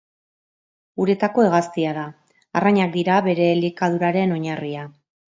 Uretako hegaztia da, arrainak dira bere elikaduraren oinarria.